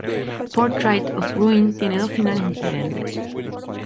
Portrait of Ruin tiene dos finales diferentes.